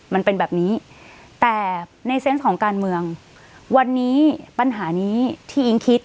มันเป็นแบบนี้แต่ในเซนต์ของการเมืองวันนี้ปัญหานี้ที่อิ๊งคิด